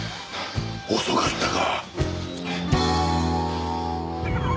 遅かったか。